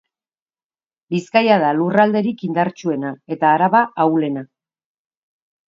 Bizkaia da lurralderik indartsuena, eta Araba ahulena.